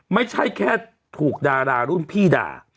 ไม่ใช่แค่ถูกดารารุ่นพี่ด่า